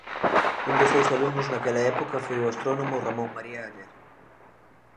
Un dos seus alumnos naquela época foi o astrónomo Ramón María Aller.